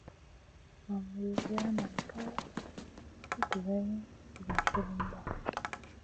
Nam wigiya nam kam ci doleyna diga culumba.